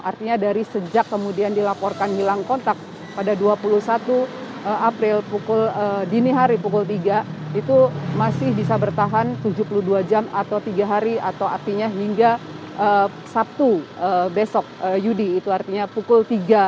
artinya dari sejak kemudian dilaporkan hilang kontak pada dua puluh satu april pukul dini hari pukul tiga itu masih bisa bertahan tujuh puluh dua jam atau tiga hari atau artinya hingga sabtu besok yudi itu artinya pukul tiga